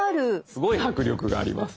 すごい迫力があります。